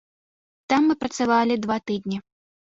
Там мы працавалі два тыдні.